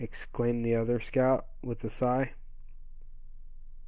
exclaimed the other scout, with a sigh.